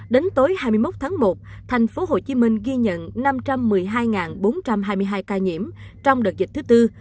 đến tối hai mươi một tháng một tp hcm ghi nhận năm trăm một mươi hai bốn trăm hai mươi hai ca nhiễm trong đợt dịch thứ tư